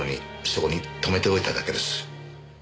そこにとめておいただけです。